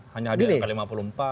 hanya ada yang lima puluh empat